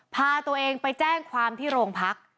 พาตัวเองไปแจ้งความที่โรงพัก